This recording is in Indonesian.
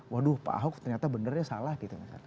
waduh pak ahok ternyata benarnya salah gitu